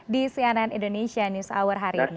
di cnn indonesia news hour hari ini